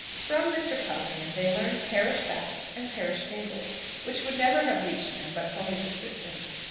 From Mr. Puddleham they learned parish facts and parish fables, which would never have reached them but for his assistance.